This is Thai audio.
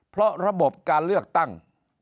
เพราะระบบการเลือกตั้ง